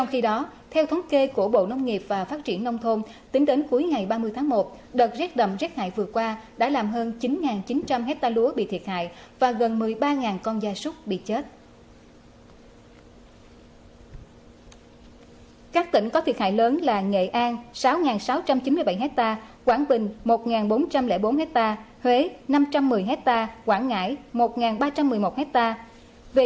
hãy đăng ký kênh để ủng hộ kênh của chúng mình nhé